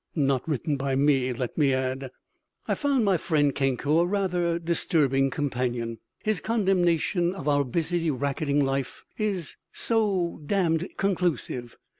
(Not written by me, let me add.) I found my friend Kenko a rather disturbing companion. His condemnation of our busy, racketing life is so damned conclusive!